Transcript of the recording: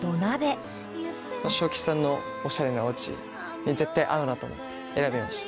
ＳＨＯＫＩＣＨＩさんのおしゃれなおうちに絶対合うなと思って選びました。